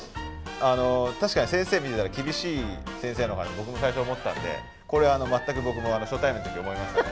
あの確かに先生見てたら厳しい先生なのかと僕も最初思ったんでこれ全く僕も初対面の時思いましたね。